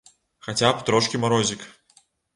Хаця б трошкі марозік.